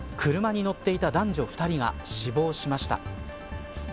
車に乗っていた男女２人が死亡しました。